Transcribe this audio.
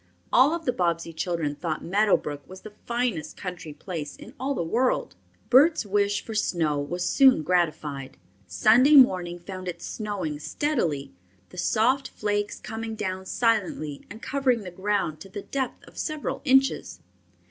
All of the Bobbsey children thought Meadow Brook the finest country place in all the world. Bert's wish for snow was soon gratified. Sunday morning found it snowing steadily, the soft flakes coming down silently and covering the ground to the depth of several inches.